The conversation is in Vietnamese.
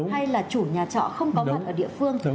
hay là chủ nhà trọ không có mặt ở địa phương